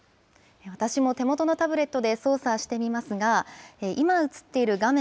私も手元のタブレットで操作してみますが、今、映っている画面